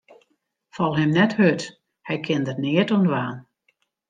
Fal him net hurd, hy kin der neat oan dwaan.